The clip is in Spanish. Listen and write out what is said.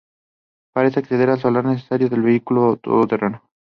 Para acceder al salar es necesario un vehículo todoterreno.